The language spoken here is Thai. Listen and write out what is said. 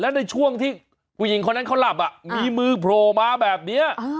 ในช่วงที่ผู้หญิงคนนั้นเขาหลับมีมือโผล่มาแบบนี้